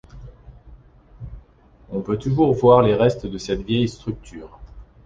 On peut toujours voir les restes de cette vieille structure.